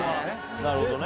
なるほどね。